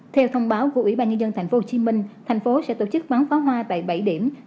theo thông báo của ủy ban nhân dân thành phố hồ chí minh thành phố sẽ tổ chức bắn phá hoa tại bảy điểm